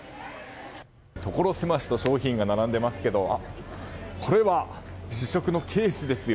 所狭しと商品が並んでいますけどこれは、試食のケースですよ。